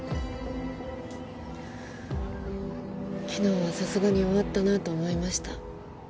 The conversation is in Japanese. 昨日はさすがに終わったなと思いました